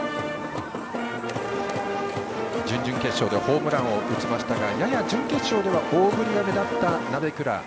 準々決勝ではホームランを放ちましたがやや準決勝では大振りが目立った鍋倉。